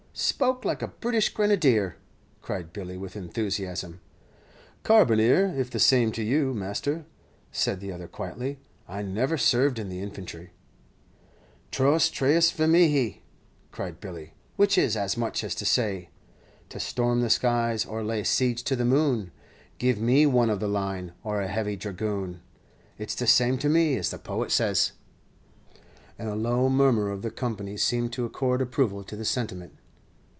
"Spoke like a British Grenadier," cried Billy, with enthusiasm. "Carbineer, if the same to you, master," said the other, quietly; "I never served in the infantry." "Tros Tyriusve mihi," cried Billy; "which is as much as to say, "'To storm the skies, or lay siege to the moon, Give me one of the line, or a heavy dragoon,' it's the same to me, as the poet says." And a low murmur of the company seemed to accord approval to the sentiment.